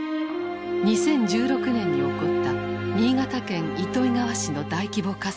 ２０１６年に起こった新潟県糸魚川市の大規模火災。